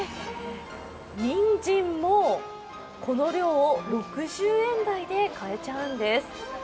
にんじんも、この量を６０円台で買えちゃうんです。